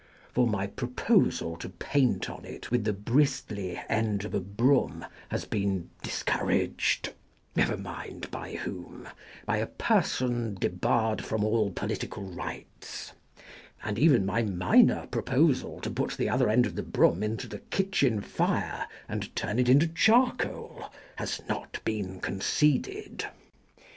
For my proposal to paint on it with the bristly end of a broom has been discouraged — never mind by whom ; by a person debarred from all political rights — and even my minor proposal to put the other end of the broom into the kitchen fire and turn it into char coal has not been conceded.